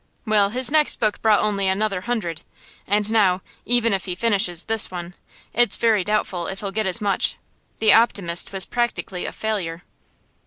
Well, his next book brought only another hundred, and now, even if he finishes this one, it's very doubtful if he'll get as much. "The Optimist" was practically a failure.